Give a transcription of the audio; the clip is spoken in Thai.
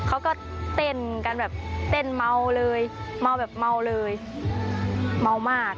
เขาก็เต้นกันแบบเต้นเมาเลยเมาแบบเมาเลยเมามาก